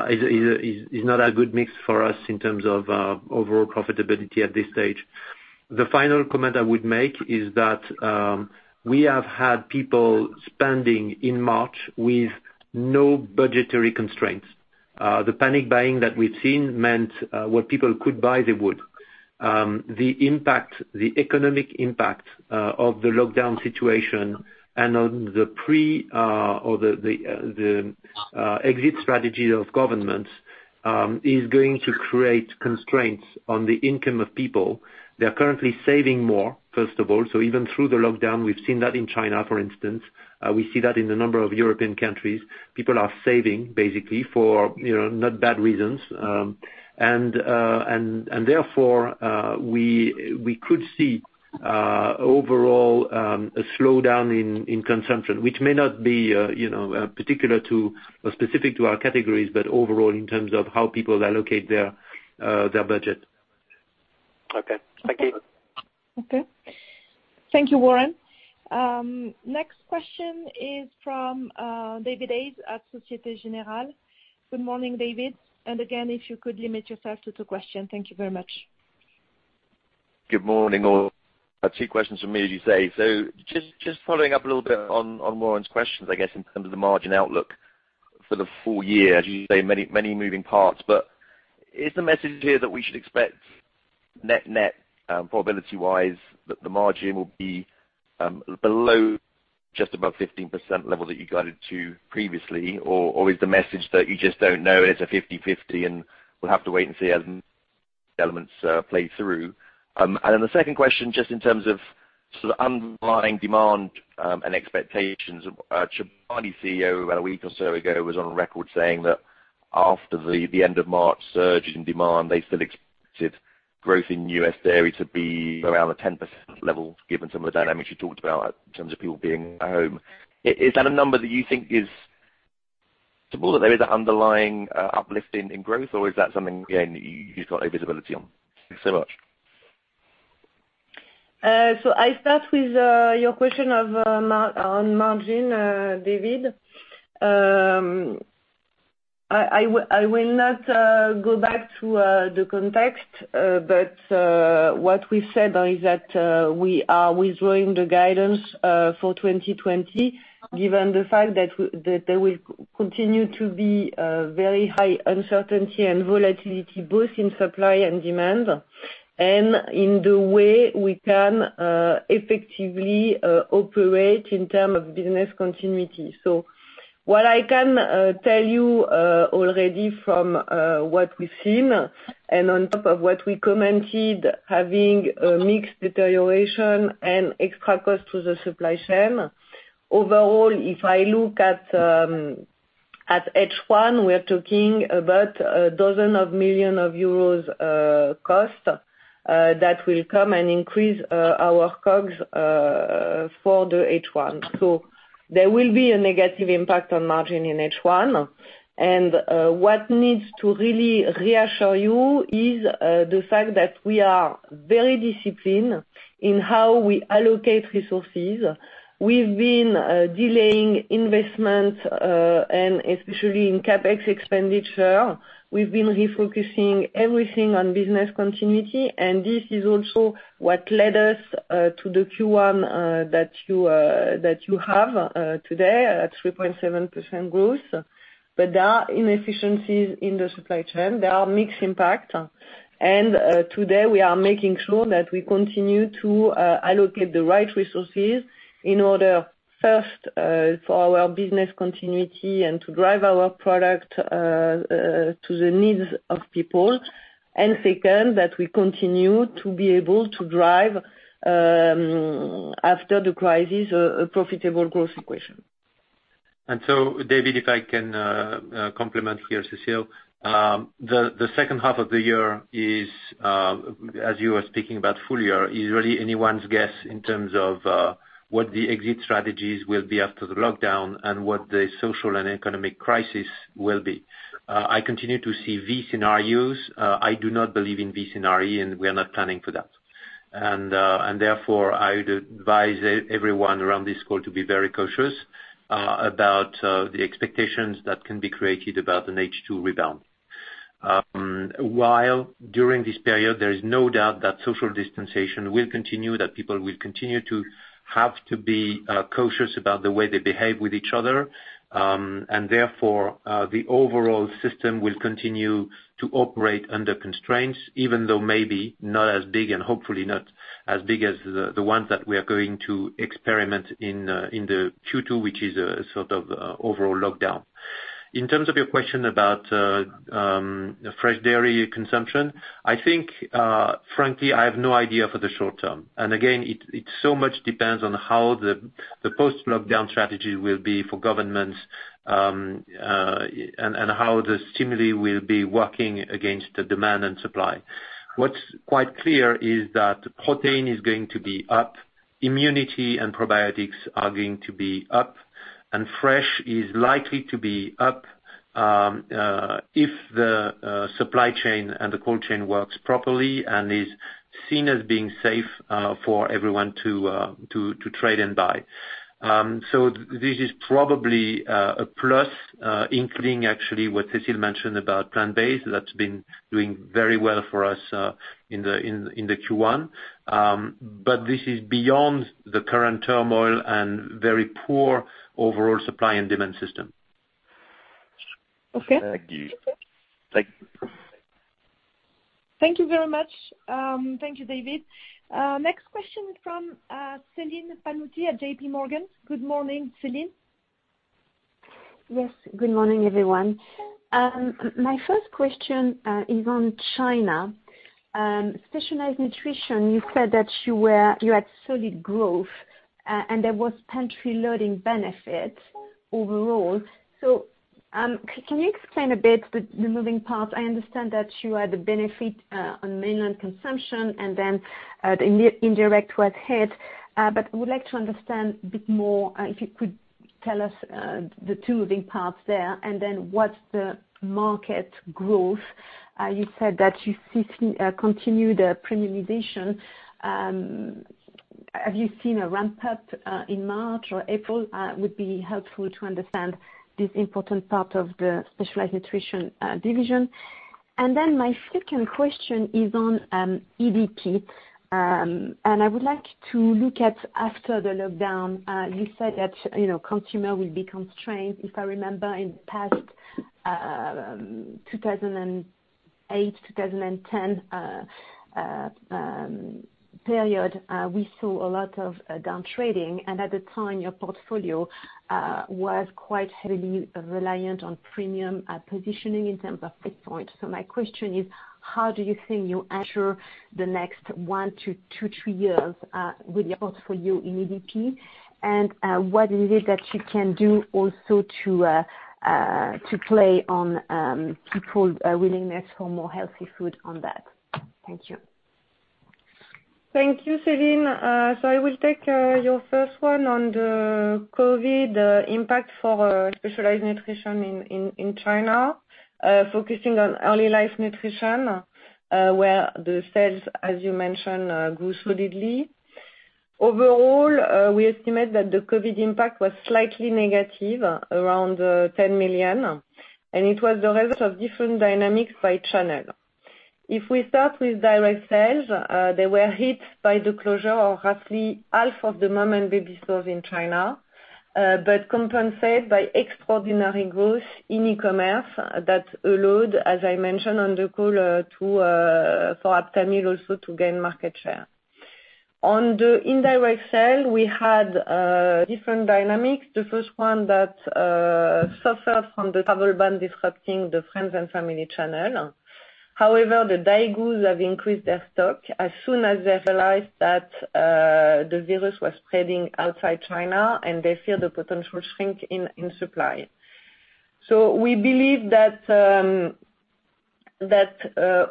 is not a good mix for us in terms of overall profitability at this stage. The final comment I would make is that, we have had people spending in March with no budgetary constraints. The panic buying that we've seen meant, what people could buy, they would. The economic impact of the lockdown situation and on the exit strategy of governments is going to create constraints on the income of people. They're currently saving more, first of all. Even through the lockdown, we've seen that in China, for instance, we see that in a number of European countries. People are saving basically for not bad reasons. Therefore, we could see overall a slowdown in consumption, which may not be specific to our categories, but overall, in terms of how people allocate their budget. Okay. Thank you. Okay. Thank you, Warren. Next question is from, David Hayes at Société Générale. Good morning, David. Again, if you could limit yourself to two questions. Thank you very much. Good morning all. Two questions from me, as you say. Just following up a little bit on Warren's questions, I guess in terms of the margin outlook for the full year, as you say, many moving parts. Is the message here that we should expect net probability-wise, that the margin will be below just above 15% level that you guided to previously? Is the message that you just don't know and it's a 50/50, and we'll have to wait and see as elements play through? The second question, just in terms of sort of underlying demand, and expectations. Chobani CEO about a week or so ago was on record saying that after the end of March surge in demand, they still expected growth in U.S. dairy to be around the 10% level, given some of the dynamics you talked about in terms of people being at home. Is that a number that you think is possible, that there is an underlying uplift in growth, or is that something, again, that you just got no visibility on? Thanks so much. I start with your question on margin, David. I will not go back to the context, but what we've said is that we are withdrawing the guidance for 2020, given the fact that there will continue to be very high uncertainty and volatility both in supply and demand, and in the way we can effectively operate in term of business continuity. What I can tell you already from what we've seen, and on top of what we commented, having a mixed deterioration and extra cost to the supply chain. Overall, if I look at H1, we're talking about 12 million euros cost that will come and increase our COGS for the H1. There will be a negative impact on margin in H1. What needs to really reassure you is the fact that we are very disciplined in how we allocate resources. We've been delaying investment, especially in CapEx expenditure. We've been refocusing everything on business continuity, this is also what led us to the Q1 that you have today at 3.7% growth. There are inefficiencies in the supply chain. There are mixed impact. Today, we are making sure that we continue to allocate the right resources in order, first, for our business continuity and to drive our product to the needs of people. Second, that we continue to be able to drive, after the crisis, a profitable growth equation. David, if I can complement here, Cécile. The H2 of the year is, as you were speaking about full year, is really anyone's guess in terms of what the exit strategies will be after the lockdown and what the social and economic crisis will be. I continue to see V scenarios. I do not believe in V scenario, and we are not planning for that. Therefore, I would advise everyone around this call to be very cautious about the expectations that can be created about an H2 rebound. While during this period, there is no doubt that social dispensation will continue, that people will continue to have to be cautious about the way they behave with each other, and therefore the overall system will continue to operate under constraints, even though maybe not as big and hopefully not as big as the ones that we are going to experiment in the Q2, which is a sort of overall lockdown. In terms of your question about fresh dairy consumption, I think, frankly, I have no idea for the short term. Again, it so much depends on how the post-lockdown strategy will be for governments, and how the stimuli will be working against the demand and supply. What's quite clear is that protein is going to be up, immunity and probiotics are going to be up, and fresh is likely to be up, if the supply chain and the cold chain works properly and is seen as being safe for everyone to trade and buy. This is probably a plus, including actually what Cécile mentioned about plant-based. That's been doing very well for us in the Q1. This is beyond the current turmoil and very poor overall supply and demand system. Okay. Thank you. Thank you. Thank you very much. Thank you, David. Next question from Celine Pannuti at J.P. Morgan. Good morning, Celine. Yes, good morning, everyone. My first question is on China. Specialized Nutrition, you said that you had solid growth, and there was pantry loading benefit overall. Can you explain a bit the moving parts? I understand that you had the benefit on mainland consumption and then the indirect was hit. I would like to understand a bit more, if you could tell us the two moving parts there, and then what's the market growth? You said that you continue the premiumization. Have you seen a ramp-up in March or April? Would be helpful to understand this important part of the Specialized Nutrition division. My second question is on EDP, and I would like to look at after the lockdown. You said that consumer will be constrained. If I remember in past 2008, 2010 period, we saw a lot of down trading, and at the time, your portfolio was quite heavily reliant on premium positioning in terms of price point. My question is, how do you think you ensure the next one to two, three years with your portfolio in EDP? What is it that you can do also to play on people's willingness for more healthy food on that? Thank you. Thank you, Celine. I will take your first one on the COVID impact for Specialized Nutrition in China, focusing on Early Life Nutrition, where the sales, as you mentioned, grew solidly. Overall, we estimate that the COVID impact was slightly negative, around 10 million, and it was the result of different dynamics by channel. If we start with direct sales, they were hit by the closure of roughly half of the mom-and-baby stores in China, but compensated by extraordinary growth in e-commerce that allowed, as I mentioned on the call, for Aptamil also to gain market share. On the indirect sales, we had different dynamics. The first one that suffered from the travel ban disrupting the friends and family channel. The Daigous have increased their stock as soon as they realized that the virus was spreading outside China, and they fear the potential shrink in supply. We believe that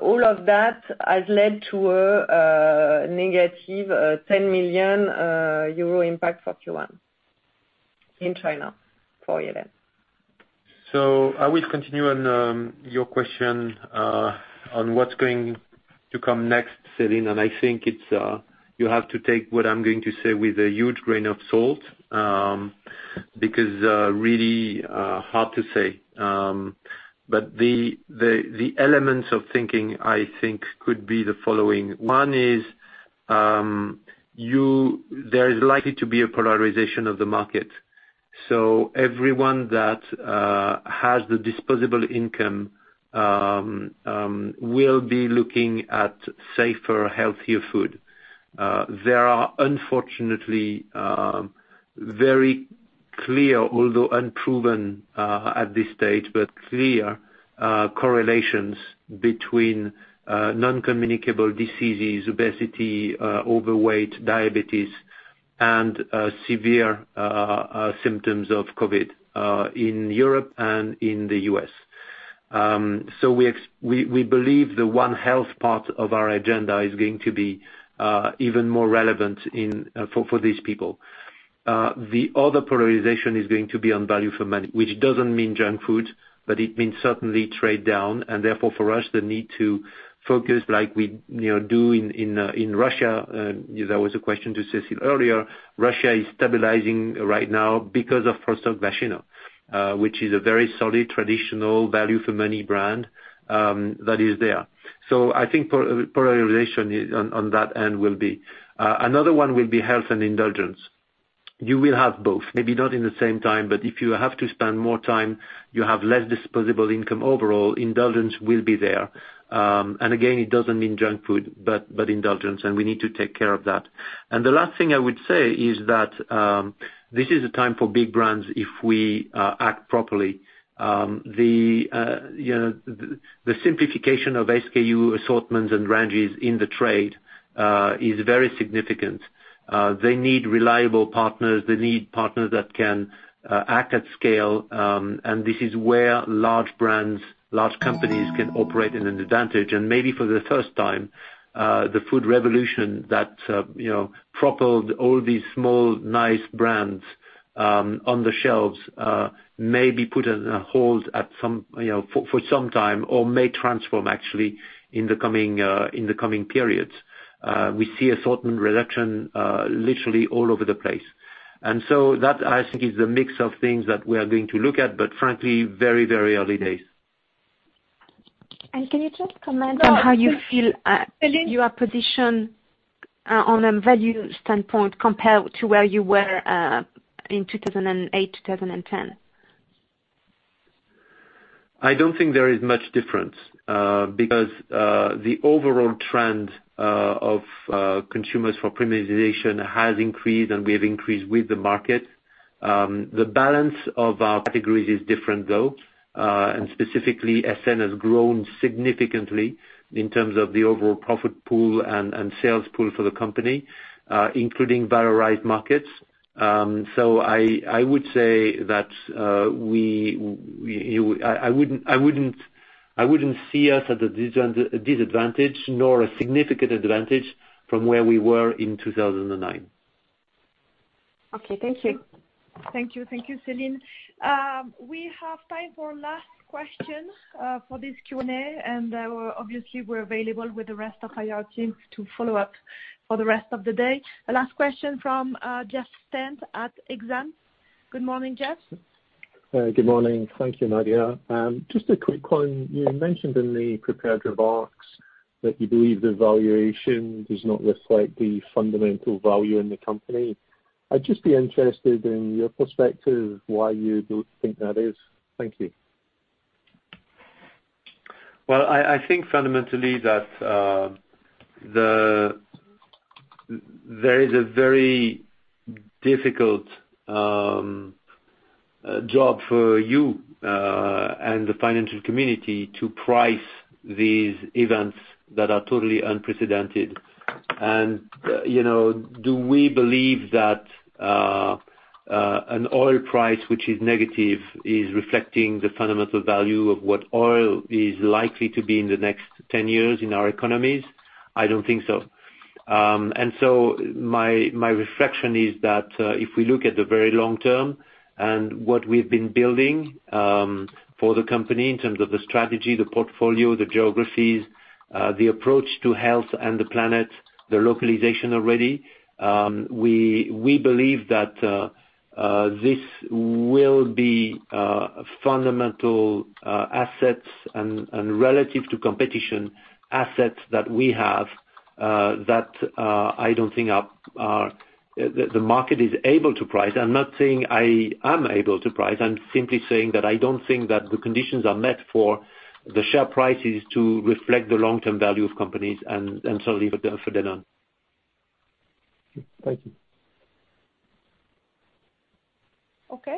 all of that has led to a negative 10 million euro impact for Q1 in China for Yves. I will continue on your question on what's going to come next, Celine. I think you have to take what I'm going to say with a huge grain of salt, because really hard to say. The elements of thinking, I think could be the following. One is, there is likely to be a polarization of the market. Everyone that has the disposable income will be looking at safer, healthier food. There are unfortunately, very clear, although unproven at this stage, but clear correlations between non-communicable diseases, obesity, overweight, diabetes, and severe symptoms of COVID-19 in Europe and in the U.S. We believe the One Health part of our agenda is going to be even more relevant for these people. The other polarization is going to be on value for money, which doesn't mean junk food, but it means certainly trade down, and therefore for us, the need to focus like we do in Russia. That was a question to Cécile earlier. Russia is stabilizing right now because of Prostokvashino, which is a very solid traditional value for money brand that is there. I think polarization on that end will be. Another one will be health and indulgence. You will have both, maybe not in the same time, but if you have to spend more time, you have less disposable income overall, indulgence will be there. Again, it doesn't mean junk food, but indulgence, and we need to take care of that. The last thing I would say is that this is a time for big brands if we act properly. The simplification of SKU assortments and ranges in the trade is very significant. They need reliable partners. They need partners that can act at scale. This is where large brands, large companies can operate in an advantage. Maybe for the first time, the food revolution that propelled all these small, nice brands on the shelves may be put on hold for some time or may transform actually in the coming periods. We see assortment reduction literally all over the place. That I think is the mix of things that we are going to look at, but frankly, very early days. Can you just comment on how you feel you are positioned on a value standpoint compared to where you were in 2008, 2010? I don't think there is much difference, because the overall trend of consumers for premiumization has increased, and we have increased with the market. The balance of our categories is different, though, and specifically, SN has grown significantly in terms of the overall profit pool and sales pool for the company, including valorized markets. I wouldn't see us at a disadvantage nor a significant advantage from where we were in 2009. Okay. Thank you. Thank you, Celine. We have time for last question for this Q&A, and obviously, we're available with the rest of IR team to follow up for the rest of the day. The last question from Jeff Stent at Exane. Good morning, Jeff. Good morning. Thank you, Nadia. Just a quick one. You mentioned in the prepared remarks that you believe the valuation does not reflect the fundamental value in the company. I'd just be interested in your perspective, why you think that is. Thank you. Well, I think fundamentally that there is a very difficult job for you and the financial community to price these events that are totally unprecedented. Do we believe that an oil price which is negative is reflecting the fundamental value of what oil is likely to be in the next 10 years in our economies? I don't think so. My reflection is that if we look at the very long term and what we've been building for the company in terms of the strategy, the portfolio, the geographies, the approach to health and the planet, the localization already, we believe that this will be fundamental assets and relative to competition, assets that we have, that I don't think the market is able to price. I'm not saying I am able to price, I'm simply saying that I don't think that the conditions are met for the share prices to reflect the long-term value of companies. Leave it for then on. Thank you. Okay.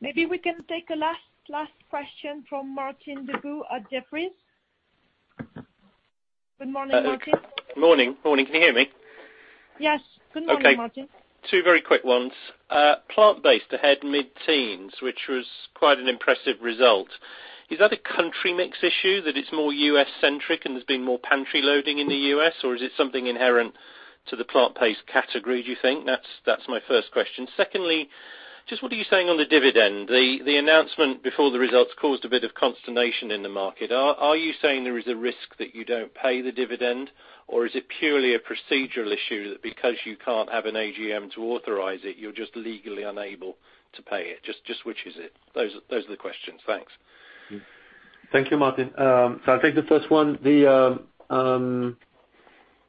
Maybe we can take a last question from Martin Deboo at Jefferies. Good morning, Martin. Morning. Can you hear me? Yes. Good morning, Martin. Okay. Two very quick ones. Plant-based ahead mid-teens, which was quite an impressive result. Is that a country mix issue that it's more U.S.-centric and there's been more pantry loading in the U.S., or is it something inherent to the plant-based category, do you think? That's my first question. Secondly, just what are you saying on the dividend? The announcement before the results caused a bit of consternation in the market. Are you saying there is a risk that you don't pay the dividend? Is it purely a procedural issue that because you can't have an AGM to authorize it, you're just legally unable to pay it? Just which is it? Those are the questions. Thanks. Thank you, Martin. I'll take the first one.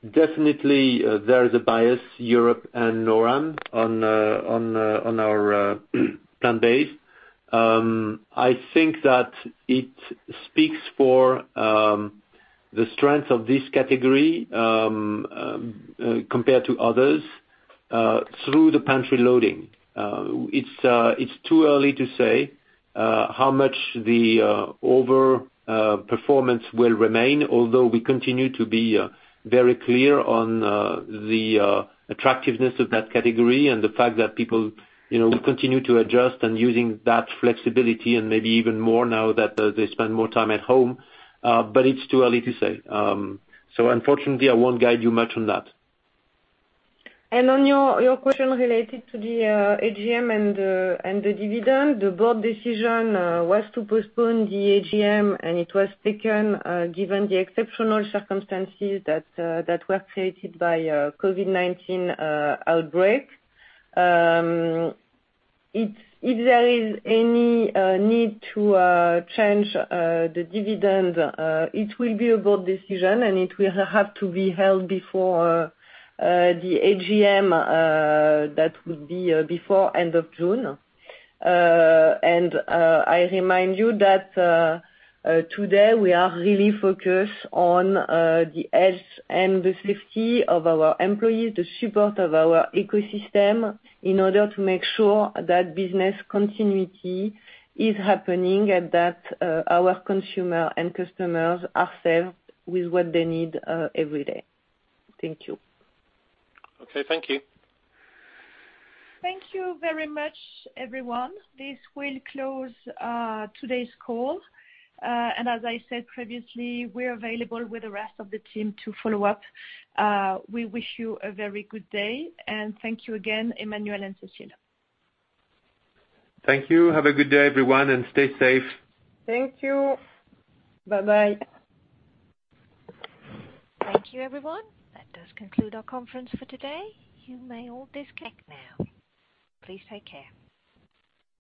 Definitely, there is a bias, Europe and NORAM, on our plant-based. I think that it speaks for the strength of this category, compared to others, through the pantry loading. It's too early to say how much the over performance will remain, although we continue to be very clear on the attractiveness of that category and the fact that people will continue to adjust and using that flexibility and maybe even more now that they spend more time at home. It's too early to say. Unfortunately, I won't guide you much on that. On your question related to the AGM and the dividend, the board decision was to postpone the AGM, and it was taken given the exceptional circumstances that were created by COVID-19 outbreak. If there is any need to change the dividend, it will be a board decision, and it will have to be held before the AGM, that would be before end of June. I remind you that today we are really focused on the health and the safety of our employees, the support of our ecosystem in order to make sure that business continuity is happening and that our consumer and customers are served with what they need every day. Thank you. Okay. Thank you. Thank you very much, everyone. This will close today's call. As I said previously, we're available with the rest of the team to follow up. We wish you a very good day, and thank you again, Emmanuel and Cécile. Thank you. Have a good day, everyone, and stay safe. Thank you. Bye-bye. Thank you, everyone. That does conclude our conference for today. You may all disconnect now. Please take care.